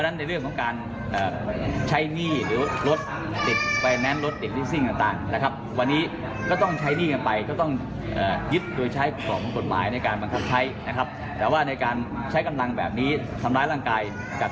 นี้เราจะไล่ต่อนว่าไฟแนนซ์ใครเป็นคนไหว้จ้างให้มานะครับ